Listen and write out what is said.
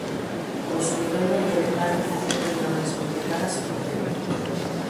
Os sumidoiros rebentaron facendo aínda máis complicada a situación.